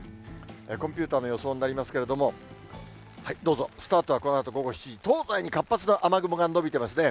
コンピューターの予想になりますけれども、どうぞ、スタートはこのあと午後７時、東西に活発な雨雲が延びてますね。